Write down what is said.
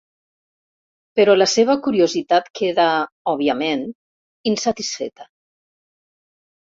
Però la seva curiositat queda, òbviament, insatisfeta.